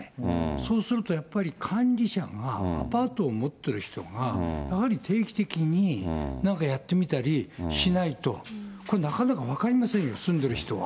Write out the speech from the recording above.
そうするとやっぱり、管理者が、アパートを持ってる人が、やはり定期的に、なんかやってみたりしないと、これ、なかなか分かりませんよ、住んでる人は。